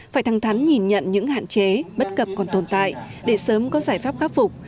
phải thẳng thắn nhìn nhận những hạn chế bất cập còn tồn tại để sớm có giải pháp khắc phục